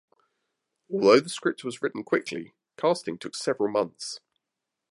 Although the script was written quickly, casting took several months.